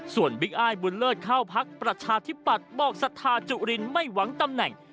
ส่วนบิ๊กอ้ายบุญเลิศเข้าพักประชาธิปัตย์บอกศรัทธาจุรินไม่หวังตำแหน่ง